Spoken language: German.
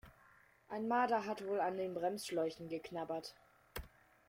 Ein Marder hat wohl an den Bremsschläuchen geknabbert.